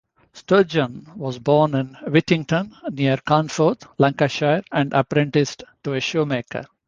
Sturgeon was born in Whittington, near Carnforth, Lancashire, and apprenticed to a shoemaker.